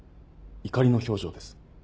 怒りの表情です。